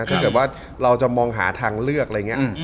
ถ้าเกิดว่าเราจะมองหาทางเลือกอะไรอย่างนี้